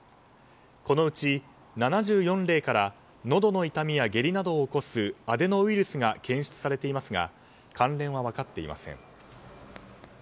このうち７４例からのどの痛みや下痢などを起こすアデノウイルスが検出されていますが関連は分かっていません。